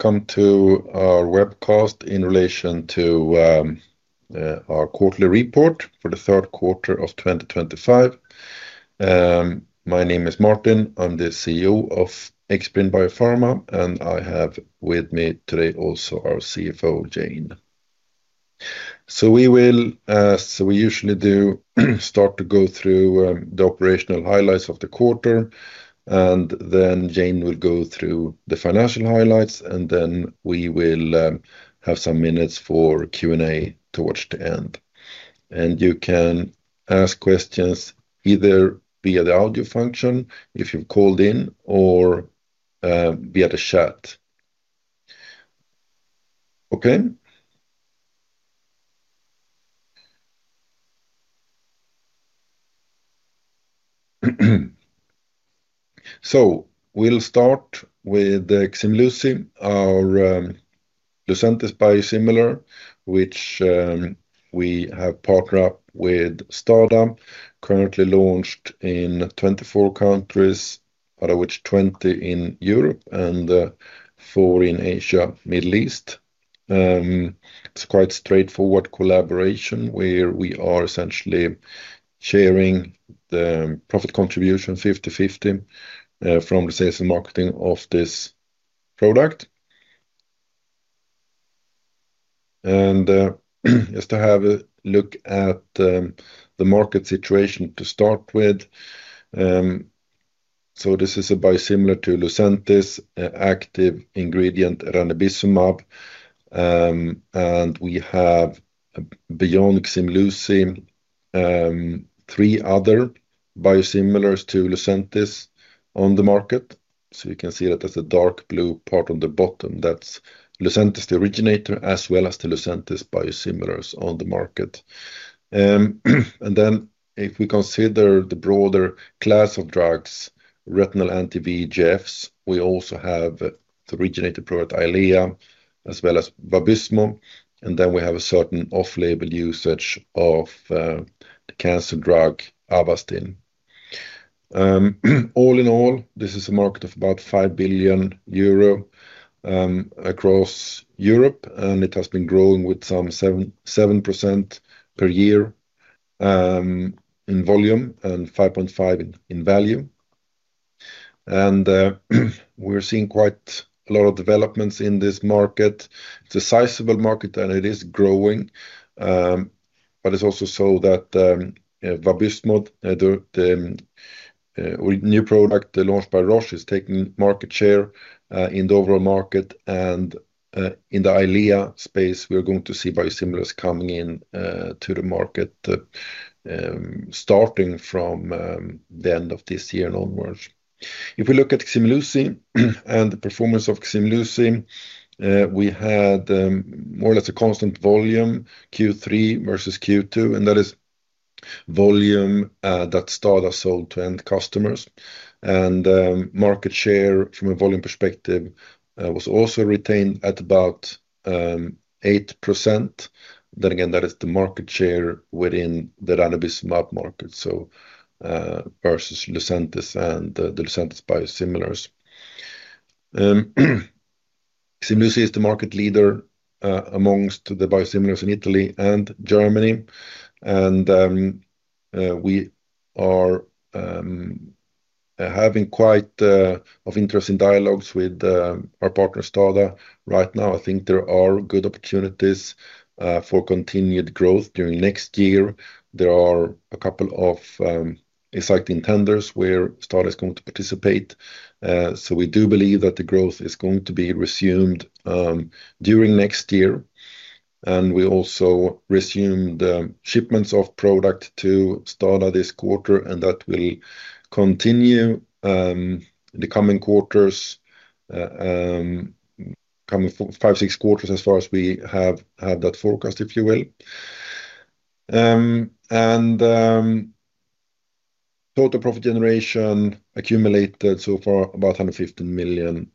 Welcome to our webcast in relation to our quarterly report for the third quarter of 2025. My name is Martin. I'm the CEO of Xbrane Biopharma, and I have with me today also our CFO, Jane. We will, as we usually do, start to go through the operational highlights of the quarter, and then Jane will go through the financial highlights, and then we will have some minutes for Q&A towards the end. You can ask questions either via the audio function if you've called in or via the chat. We will star``t with Ximluci, our Lucentis biosimilar, which we have partnered up with STADA, currently launched in 24 countries, out of which 20 in Europe and 4 in Asia/Middle East. It's quite a straightforward collaboration where we are essentially sharing the profit contribution 50/50 from the sales and marketing of this product. Just to have a look at the market situation to start with, this is a biosimilar to Lucentis, an active ingredient, ranibizumab, and we have beyond Ximluci three other biosimilars to Lucentis on the market. You can see that there's a dark blue part on the bottom. That's Lucentis, the originator, as well as the Lucentis biosimilars on the market. If we consider the broader class of drugs, retinal anti-VEGFs, we also have the originator product Eylea, as well as Vabysmo, and then we have a certain off-label usage of the cancer drug Avastin. All in all, this is a market of about 5 billion euro across Europe, and it has been growing with some 7% per year in volume and 5.5% in value. We're seeing quite a lot of developments in this market. It's a sizable market and it is growing, but it is also so that Vabysmo, the new product launched by Roche, is taking market share in the overall market. In the Eylea space, we're going to see biosimilars coming into the market starting from the end of this year and onwards. If we look at Ximluci and the performance of Ximluci, we had more or less a constant volume Q3 versus Q2, and that is volume that STADA sold to end customers. Market share from a volume perspective was also retained at about 8%. That is the market share within the ranibizumab market, so versus Lucentis and the Lucentis biosimilars. Ximluci is the market leader amongst the biosimilars in Italy and Germany, and we are having quite interesting dialogues with our partner STADA right now. I think there are good opportunities for continued growth during next year. There are a couple of exciting tenders where STADA is going to participate. We do believe that the growth is going to be resumed during next year. We also resumed the shipments of product to STADA this quarter, and that will continue in the coming quarters, coming five, six quarters as far as we have had that forecast, if you will. Total profit generation accumulated so far about 115 million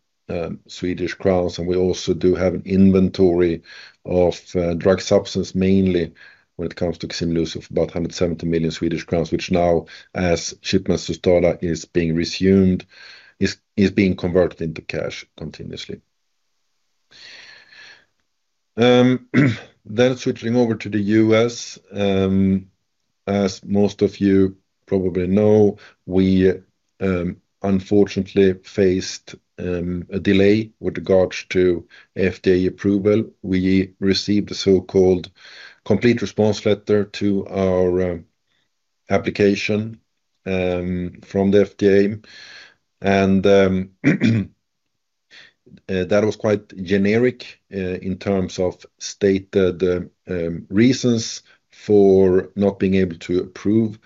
Swedish crowns, and we also do have an inventory of drug substance mainly when it comes to Ximluci of about 170 million Swedish crowns, which now, as shipments to STADA are being resumed, is being converted into cash continuously. Switching over to the U.S., as most of you probably know, we unfortunately faced a delay with regards to FDA approval. We received a so-called Complete Response Letter to our application from the FDA, and that was quite generic in terms of stated reasons for not being able to approve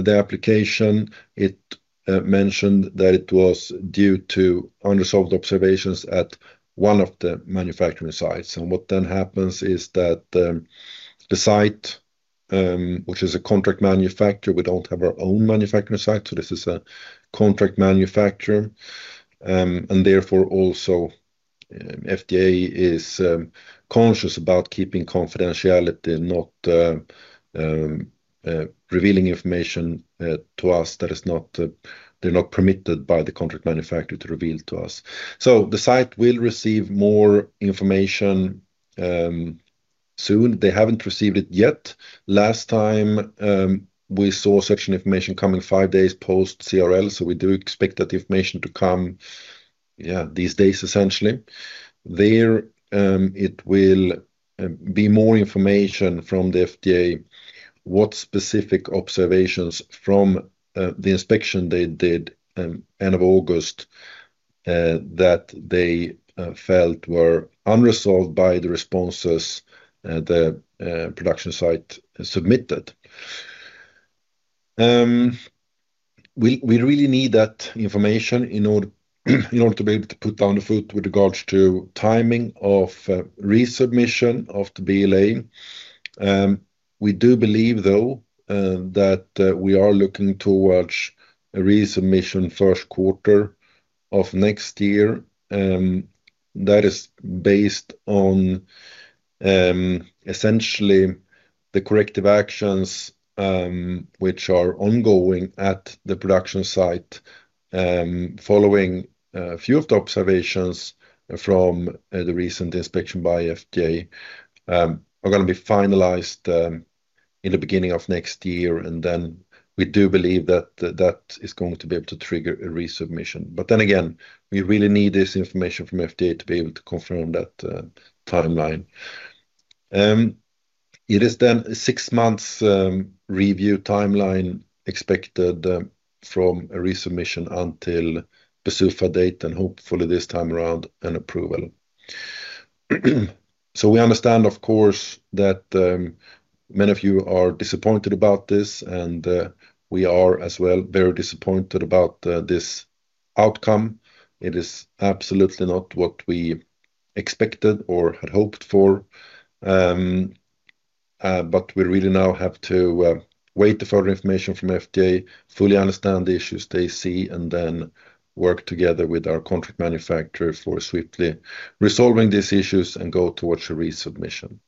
the application. It mentioned that it was due to unresolved observations at one of the manufacturing sites. What then happens is that the site, which is a contract manufacturer, we don't have our own manufacturing site, so this is a contract manufacturer. Therefore, also, FDA is conscious about keeping confidentiality, not revealing information to us that is not permitted by the contract manufacturer to reveal to us. The site will receive more information soon. They haven't received it yet. Last time, we saw such information coming five days post-CRL, so we do expect that information to come these days, essentially. There, it will be more information from the FDA, what specific observations from the inspection they did at the end of August that they felt were unresolved by the responses the production site submitted. We really need that information in order to be able to put down the foot with regards to timing of resubmission of the BLA. We do believe, though, that we are looking towards a resubmission first quarter of next year. That is based on, essentially, the corrective actions which are ongoing at the production site following a few of the observations from the recent inspection by FDA are going to be finalized in the beginning of next year. We do believe that that is going to be able to trigger a resubmission. We really need this information from FDA to be able to confirm that timeline. It is then a six-month review timeline expected from a resubmission until the BsUFA date, and hopefully, this time around, an approval. We understand, of course, that many of you are disappointed about this, and we are, as well, very disappointed about this outcome. It is absolutely not what we expected or had hoped for. We really now have to wait for further information from the FDA, fully understand the issues they see, and then work together with our contract manufacturer for swiftly resolving these issues and go towards a resubmission.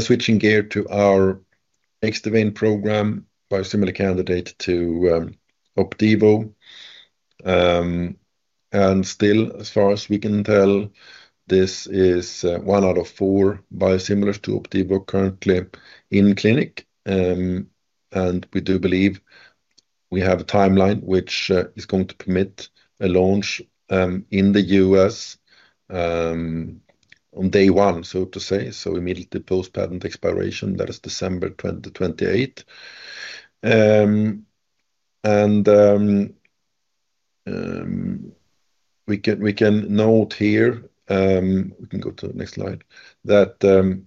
Switching gear to our Xdivane program, biosimilar candidate to Opdivo. Still, as far as we can tell, this is one out of four biosimilars to Opdivo currently in clinic. We do believe we have a timeline which is going to permit a launch in the U.S. on day one, so to say, so immediately post-patent expiration. That is December 2028. We can note here, we can go to the next slide, that the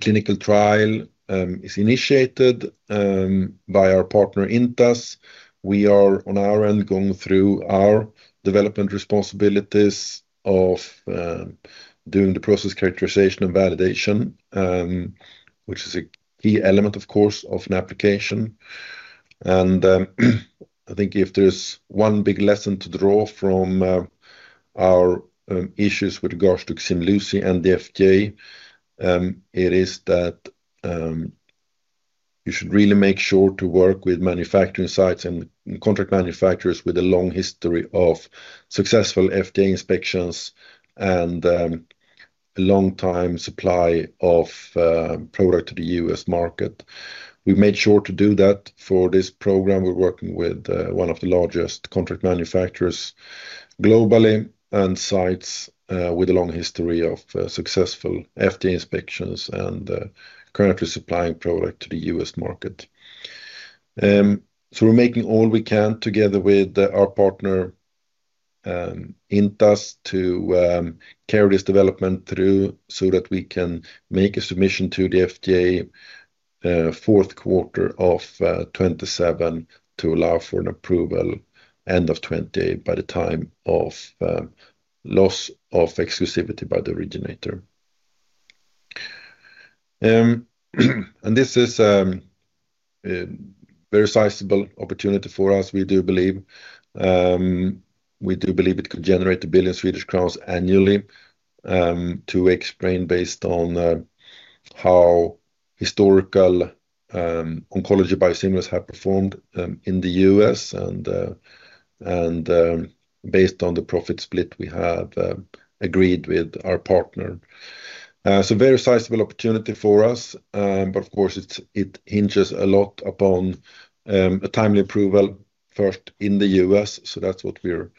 clinical trial is initiated by our partner Intas. We are, on our end, going through our development responsibilities of doing the process characterization and validation, which is a key element, of course, of an application. I think if there's one big lesson to draw from our issues with regards to Ximluci and the FDA, it is that you should really make sure to work with manufacturing sites and contract manufacturers with a long history of successful FDA inspections and a long-time supply of product to the U.S. market. We made sure to do that for this program. We're working with one of the largest contract manufacturers globally and sites with a long history of successful FDA inspections and currently supplying product to the U.S. market. We're making all we can together with our partner Intas to carry this development through so that we can make a submission to the FDA fourth quarter of 2027 to allow for an approval end of 2028 by the time of loss of exclusivity by the originator. This is a very sizable opportunity for us, we do believe. We do believe it could generate 1 billion Swedish crowns annually to Xbrane based on how historical oncology biosimilars have performed in the U.S. and based on the profit split we have agreed with our partner. A very sizable opportunity for us. It hinges a lot upon a timely approval first in the U.S. That's what we're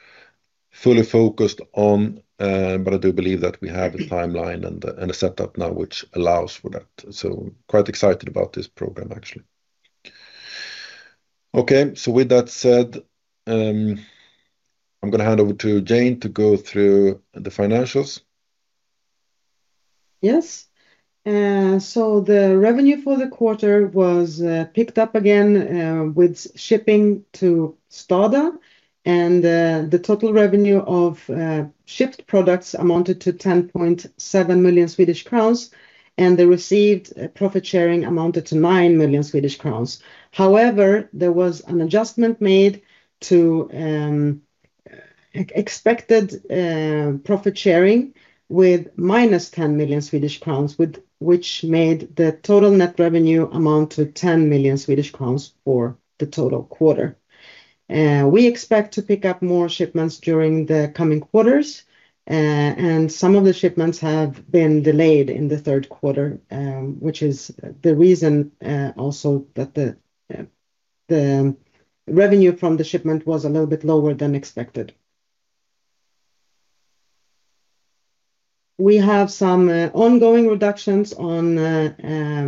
fully focused on. I do believe that we have a timeline and a setup now which allows for that. Quite excited about this program, actually. With that said, I'm going to hand over to Jane to go through the financials. Yes. The revenue for the quarter was picked up again with shipping to STADA, and the total revenue of shipped products amounted to 10.7 million Swedish crowns, and the received profit sharing amounted to 9 million Swedish crowns. However, there was an adjustment made to expected profit sharing with -10 million Swedish crowns, which made the total net revenue amount to 10 million Swedish crowns for the total quarter. We expect to pick up more shipments during the coming quarters, and some of the shipments have been delayed in the third quarter, which is the reason also that the revenue from the shipment was a little bit lower than expected. We have some ongoing reductions on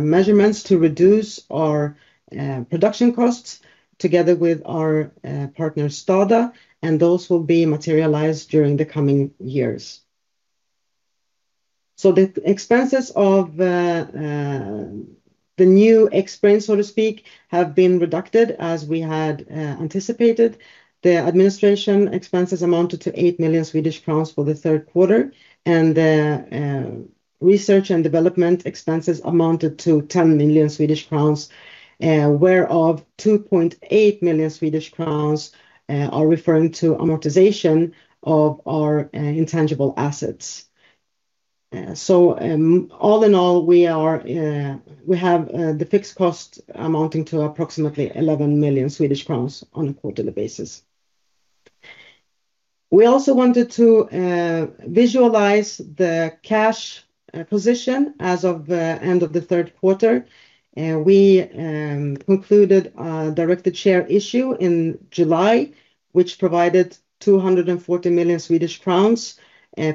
measurements to reduce our production costs together with our partner STADA, and those will be materialized during the coming years. The expenses of the new Xbrane, so to speak, have been reduced as we had anticipated. The administration expenses amounted to 8 million Swedish crowns for the third quarter, and the research and development expenses amounted to 10 million Swedish crowns, whereof 2.8 million Swedish crowns are referring to amortization of our intangible assets. All in all, we have the fixed cost amounting to approximately 11 million Swedish crowns on a quarterly basis. We also wanted to visualize the cash position as of the end of the third quarter. We concluded a directed share issue in July, which provided 240 million Swedish crowns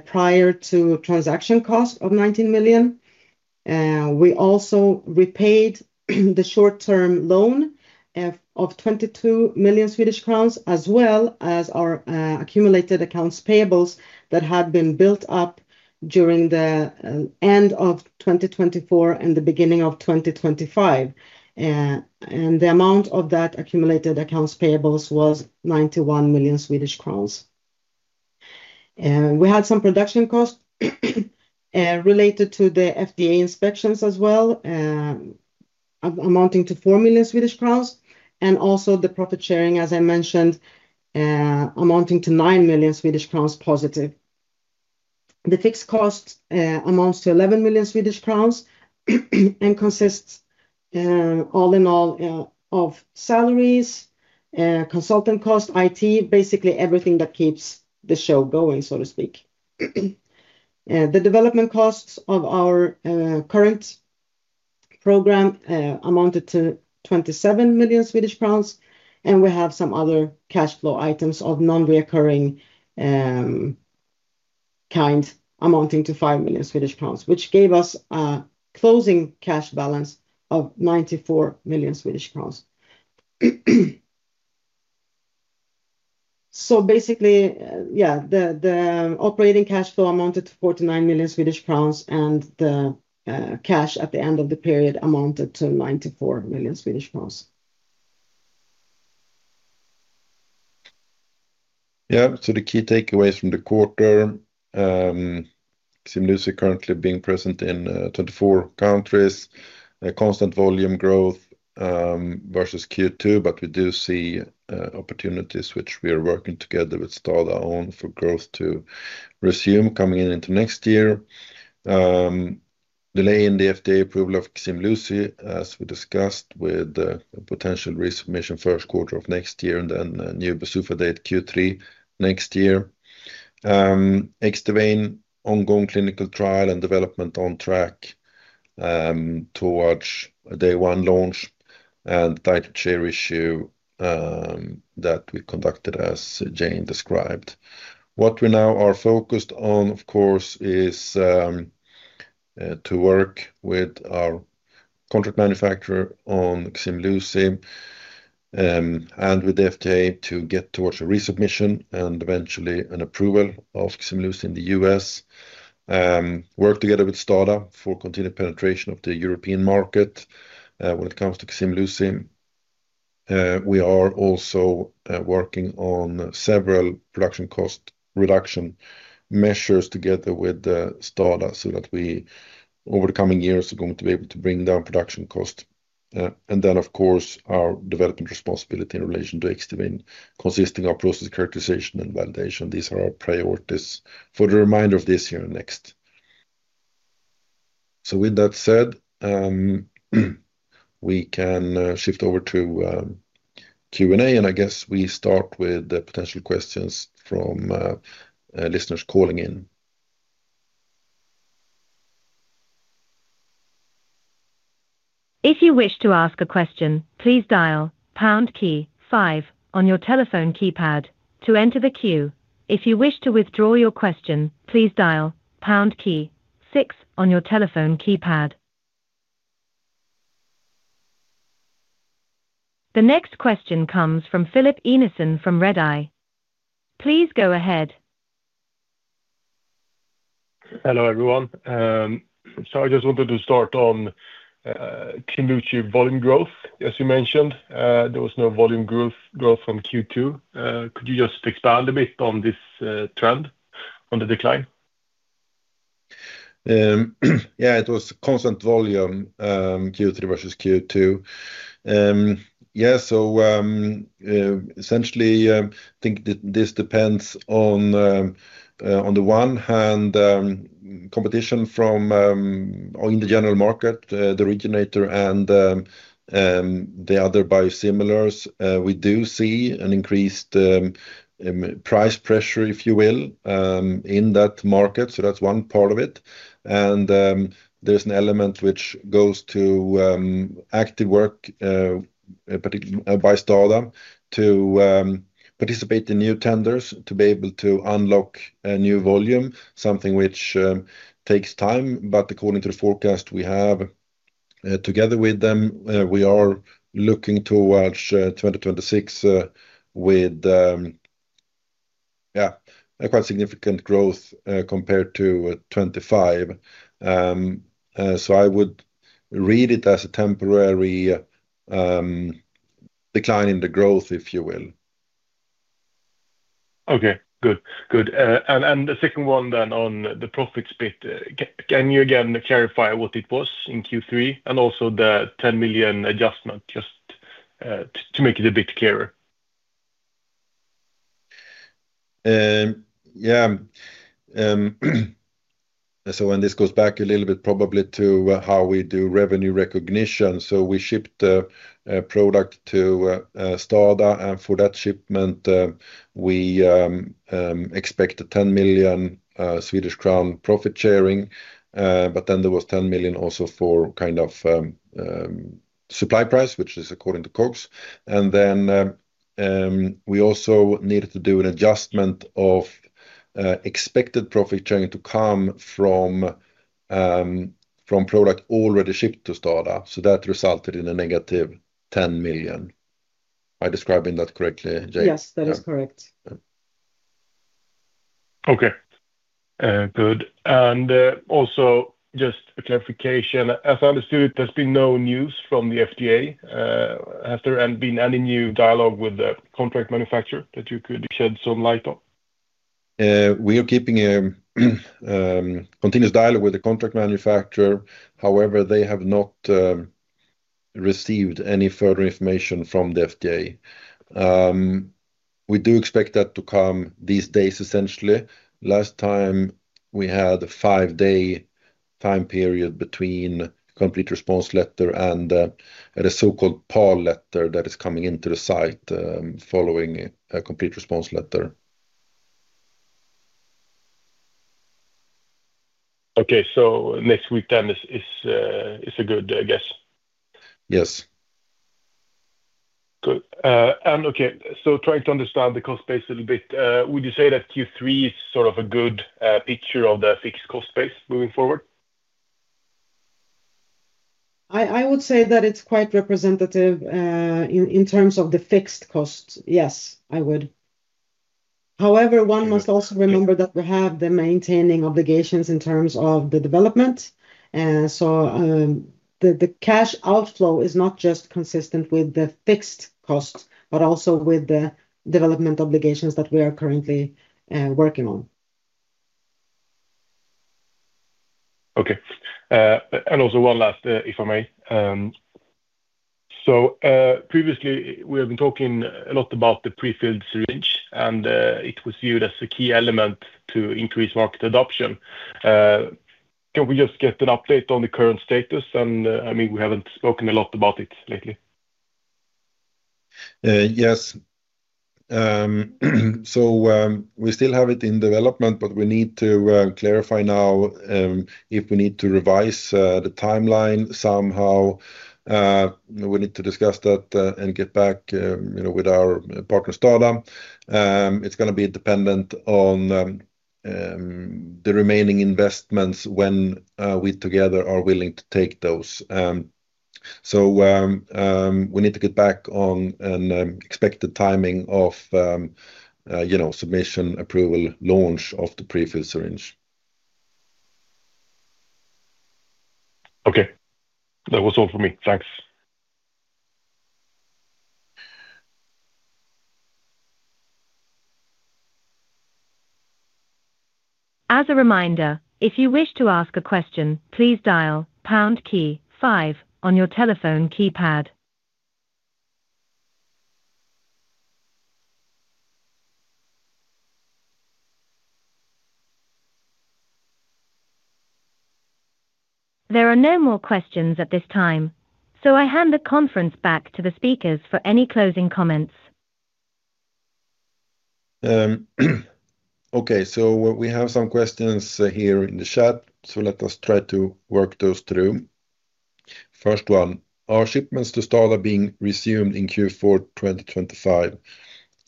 prior to transaction cost of 19 million. We also repaid the short-term loan of 22 million Swedish crowns, as well as our accumulated accounts payables that had been built up during the end of 2024 and the beginning of 2025. The amount of that accumulated accounts payables was 91 million Swedish crowns. We had some production costs related to the FDA inspections as well, amounting to 4 million Swedish crowns, and also the profit sharing, as I mentioned, amounting to 9 million Swedish crowns+. The fixed cost amounts to 11 million Swedish crowns and consists, all in all, of salaries, consultant costs, IT, basically everything that keeps the show going, so to speak. The development costs of our current program amounted to 27 million Swedish crowns, and we have some other cash flow items of non-recurring kind amounting to 5 million Swedish crowns, which gave us a closing cash balance of 94 million Swedish crowns. Basically, the operating cash flow amounted to 49 million Swedish crowns, and the cash at the end of the period amounted to 94 million Swedish crowns. Yeah. The key takeaways from the quarter, Ximluci currently being present in 24 countries, constant volume growth versus Q2, but we do see opportunities which we are working together with STADA on for growth to resume coming into next year. Delay in the FDA approval of Ximluci, as we discussed, with a potential resubmission first quarter of next year and then a new BsUFA date Q3 next year. Xdivane ongoing clinical trial and development on track towards a day one launch and the directed share issue that we conducted, as Jane described. What we now are focused on, of course, is to work with our contract manufacturer on Ximluci and with the FDA to get towards a resubmission and eventually an approval of Ximluci in the U.S. Work together with STADA for continued penetration of the European market when it comes to Ximluci. We are also working on several production cost reduction measures together with STADA so that we, over the coming years, are going to be able to bring down production cost. Our development responsibility in relation to Xdivane consists of process characterization and validation. These are our priorities for the remainder of this year and next. With that said, we can shift over to Q&A, and I guess we start with the potential questions from listeners calling in. If you wish to ask a question, please dial pound key five on your telephone keypad to enter the queue. If you wish to withdraw your question, please dial pound key six on your telephone keypad. The next question comes from Filip Einarsson from Redeye. Please go ahead. Hello, everyone. I just wanted to start on Ximluci volume growth. As you mentioned, there was no volume growth from Q2. Could you just expand a bit on this trend, on the decline? Yeah. It was constant volume Q3 versus Q2. Yeah. Essentially, I think this depends on, on the one hand, competition from in the general market, the originator, and the other biosimilars. We do see an increased price pressure, if you will, in that market. That's one part of it. There's an element which goes to active work by STADA to participate in new tenders to be able to unlock new volume, something which takes time. According to the forecast we have together with them, we are looking towards 2026 with, yeah, a quite significant growth compared to 2025. I would read it as a temporary decline in the growth, if you will. Good. On the profit split, can you again clarify what it was in Q3 and also the 10 million adjustment just to make it a bit clearer? Yeah. This goes back a little bit, probably to how we do revenue recognition. We shipped the product to STADA, and for that shipment, we expected 10 million Swedish crown profit sharing. There was 10 million also for kind of supply price, which is according to COGS. We also needed to do an adjustment of expected profit sharing to come from product already shipped to STADA. That resulted in a -10 million. Am I describing that correctly, Jane? Yes, that is correct. Okay. Good. Also, just a clarification. As I understood it, there's been no news from the FDA. Has there been any new dialogue with the contract manufacturer that you could shed some light on? We are keeping a continuous dialogue with the contract manufacturing site. However, they have not received any further information from the FDA. We do expect that to come these days, essentially. Last time, we had a five-day time period between a Complete Response Letter and the so-called PAR letter that is coming into the site following a Complete Response Letter. Okay, next week then is a good guess? Yes. Okay. Trying to understand the cost base a little bit, would you say that Q3 is sort of a good picture of the fixed cost base moving forward? I would say that it's quite representative in terms of the fixed cost. Yes, I would. However, one must also remember that we have the maintaining obligations in terms of the development. The cash outflow is not just consistent with the fixed cost, but also with the development obligations that we are currently working on. Okay. Also, one last, if I may. Previously, we have been talking a lot about the pre-filled syringe, and it was viewed as a key element to increase market adoption. Can we just get an update on the current status? I mean, we haven't spoken a lot about it lately. Yes. We still have it in development, but we need to clarify now if we need to revise the timeline somehow. We need to discuss that and get back with our partner STADA. It's going to be dependent on the remaining investments when we together are willing to take those. We need to get back on an expected timing of submission, approval, and launch of the pre-filled syringe. Okay, that was all for me. Thanks. As a reminder, if you wish to ask a question, please dial pound key five on your telephone keypad. There are no more questions at this time. I hand the conference back to the speakers for any closing comments. Okay. We have some questions here in the chat. Let us try to work those through. First one, are shipments to STADA being resumed in Q4 2025?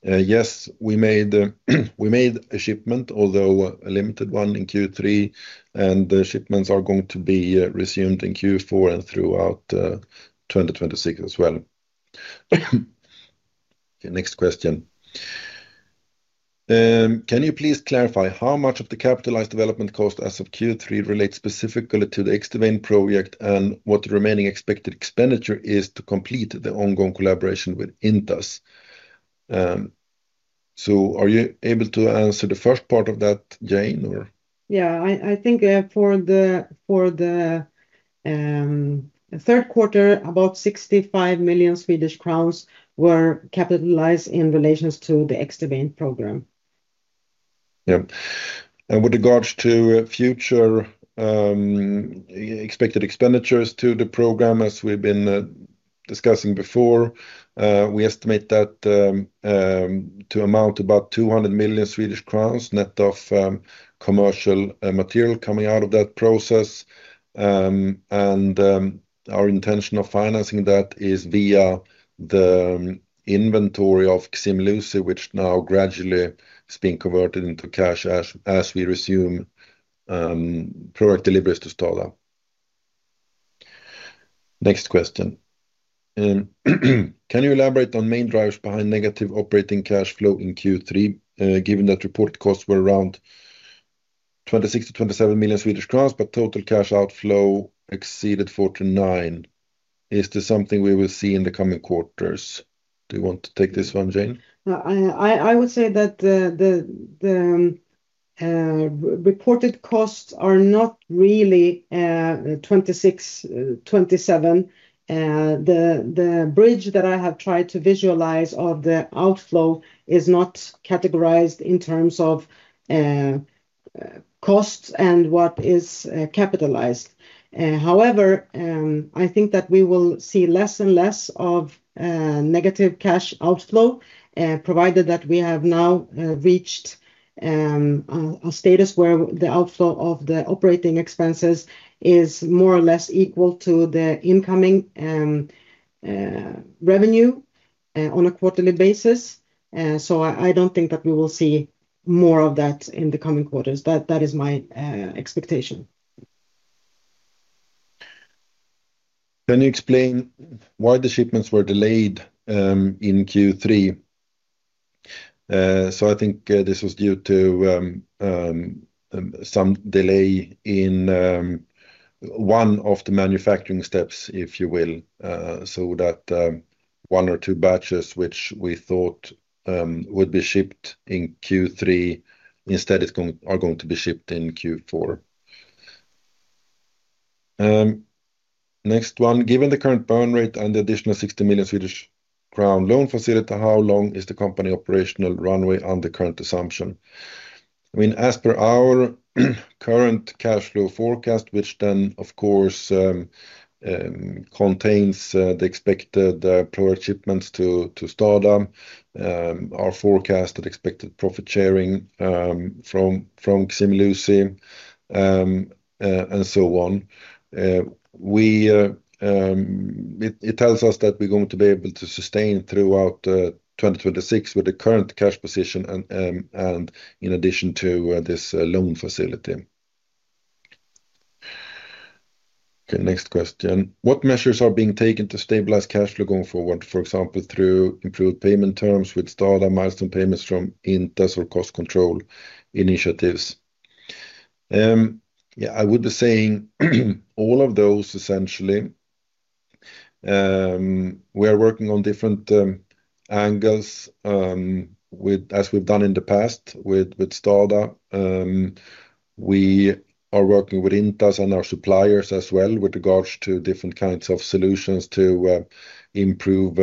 Yes, we made a shipment, although a limited one in Q3, and the shipments are going to be resumed in Q4 and throughout 2026 as well. Next question. Can you please clarify how much of the capitalized development cost as of Q3 relates specifically to the Xdivane project and what the remaining expected expenditure is to complete the ongoing collaboration with Intas? Are you able to answer the first part of that, Jane, or? Yeah. I think for the third quarter, about 65 million Swedish crowns were capitalized in relation to the Xdivane program. Yeah. With regards to future expected expenditures to the program, as we've been discussing before, we estimate that to amount to about 200 million Swedish crowns net of commercial material coming out of that process. Our intention of financing that is via the inventory of Ximluci, which now gradually is being converted into cash as we resume product deliveries to STADA. Next question. Can you elaborate on main drivers behind negative operating cash flow in Q3, given that reported costs were around 26 million-27 million Swedish crowns, but total cash outflow exceeded 49 million? Is this something we will see in the coming quarters? Do you want to take this one, Jane? I would say that the reported costs are not really 26 million, 27 million. The bridge that I have tried to visualize of the outflow is not categorized in terms of costs and what is capitalized. However, I think that we will see less and less of negative cash outflow, provided that we have now reached a status where the outflow of the operating expenses is more or less equal to the incoming revenue on a quarterly basis. I don't think that we will see more of that in the coming quarters. That is my expectation. Can you explain why the shipments were delayed in Q3? I think this was due to some delay in one of the manufacturing steps, if you will, so that one or two batches, which we thought would be shipped in Q3, instead are going to be shipped in Q4. Next one. Given the current burn rate and the additional 60 million Swedish crown loan facility, how long is the company operational runway under current assumption? As per our current cash flow forecast, which then, of course, contains the expected product shipments to STADA, our forecasted expected profit sharing from Ximluci and so on, it tells us that we're going to be able to sustain throughout 2026 with the current cash position and in addition to this loan facility. Next question. What measures are being taken to stabilize cash flow going forward, for example, through improved payment terms with STADA, milestone payments from Intas, or cost control initiatives? I would be saying all of those, essentially. We are working on different angles, as we've done in the past with STADA. We are working with Intas and our suppliers as well with regards to different kinds of solutions to improve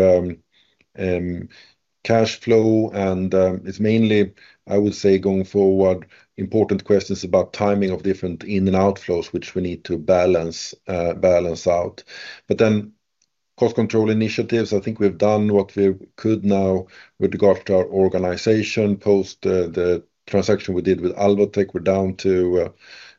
cash flow. It's mainly, I would say, going forward, important questions about timing of different in-and-out flows, which we need to balance out. Cost control initiatives, I think we've done what we could now with regards to our organization. Post the transaction we did with Alvotech, we're down to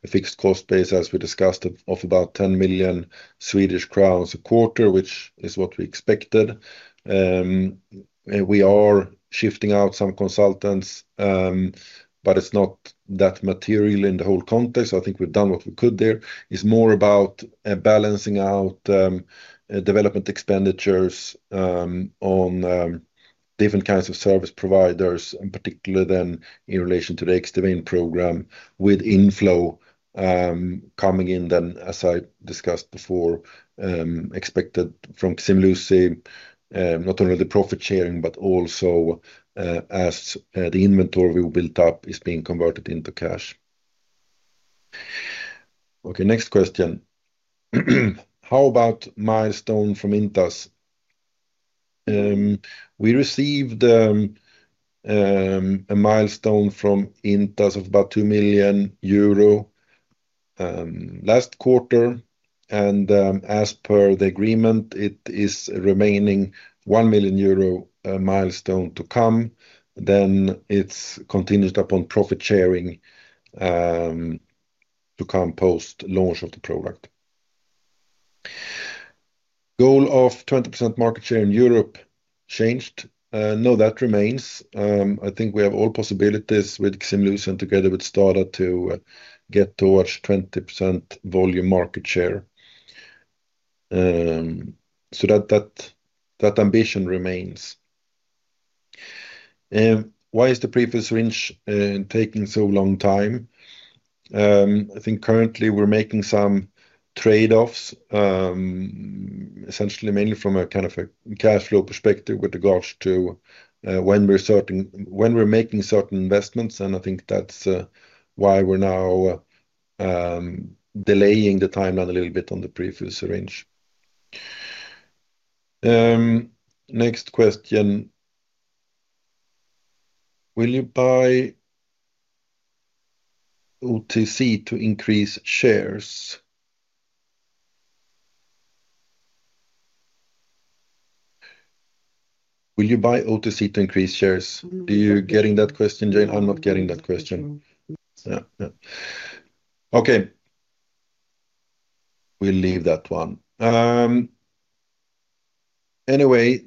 a fixed cost base, as we discussed, of about 10 million Swedish crowns a quarter, which is what we expected. We are shifting out some consultants, but it's not that material in the whole context. I think we've done what we could there. It's more about balancing out development expenditures on different kinds of service providers, and particularly then in relation to the Xdivane program with inflow coming in then, as I discussed before, expected from Ximluci, not only the profit sharing, but also as the inventory we built up is being converted into cash. Next question. How about milestone from Intas? We received a milestone from Intas of about 2 million euro last quarter. As per the agreement, it is a remaining 1 million euro milestone to come. Then it's continued upon profit sharing to come post launch of the product. Goal of 20% market share in Europe changed. No, that remains. I think we have all possibilities with Ximluci and together with STADA to get towards 20% volume market share. That ambition remains. Why is the pre-filled syringe taking so long? I think currently, we're making some trade-offs, mainly from a kind of cash flow perspective with regards to when we're making certain investments. I think that's why we're now delaying the timeline a little bit on the pre-filled syringe. Next question. Will you buy OTC to increase shares? Will you buy OTC to increase shares? Are you getting that question, Jane? I'm not getting that question. No. Okay. We'll leave that one. Anyway,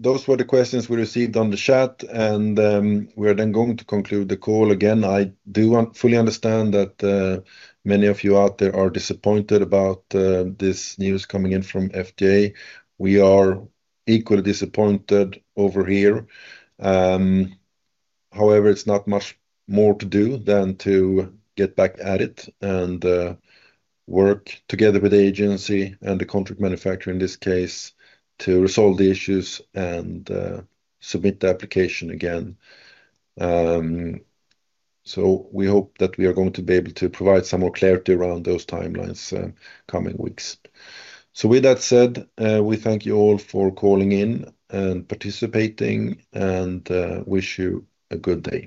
those were the questions we received on the chat, and we are then going to conclude the call again. I do fully understand that many of you out there are disappointed about this news coming in from FDA. We are equally disappointed over here. However, it's not much more to do than to get back at it and work together with the agency and the contract manufacturer, in this case, to resolve the issues and submit the application again. We hope that we are going to be able to provide some more clarity around those timelines in the coming weeks. With that said, we thank you all for calling in and participating and wish you a good day.